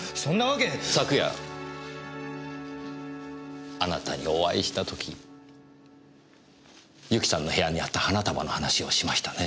昨夜あなたにお会いした時由紀さんの部屋にあった花束の話をしましたね？